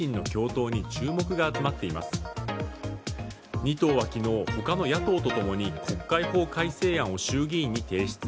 ２党は昨日、他の野党と共に国会法改正案を衆議院に提出。